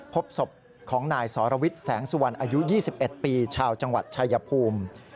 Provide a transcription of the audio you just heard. พบศพของนายสรวิทย์แสงสุวรรณอายุ๒๑ปีชาวจังหวัดชายภูมิ